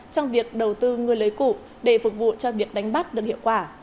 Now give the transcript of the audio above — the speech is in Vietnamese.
trong việc đầu tư ngư lưới cụ để phục vụ cho việc đánh bắt được hiệu quả